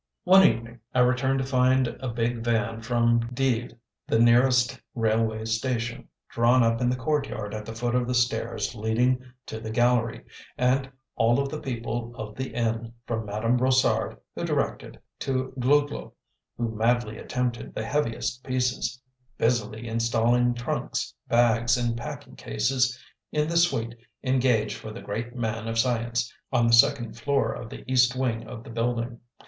One evening I returned to find a big van from Dives, the nearest railway station, drawn up in the courtyard at the foot of the stairs leading to the gallery, and all of the people of the inn, from Madame Brossard (who directed) to Glouglou (who madly attempted the heaviest pieces), busily installing trunks, bags, and packing cases in the suite engaged for the "great man of science" on the second floor of the east wing of the building.